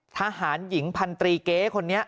ทหารหญิงพันตรีเก๊คนนี้